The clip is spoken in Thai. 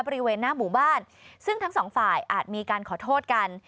บริเวณหน้าหมู่บ้านซึ่งทั้งสองฝ่ายอาจมีการขอโทษกัน